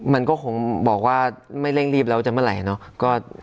มันก็คงบอกว่าไม่เร่งรีบแล้วจะเมื่อไหร่เนอะ